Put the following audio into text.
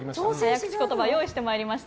早口言葉用意してまいりました。